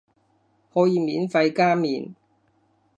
可以免費加麵